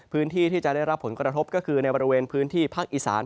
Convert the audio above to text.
พื้นที่ที่จะได้รับผลกระทบก็คือในบริเวณพื้นที่ภาคอีสาน